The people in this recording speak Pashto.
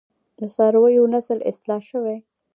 د څارویو نسل اصلاح شوی؟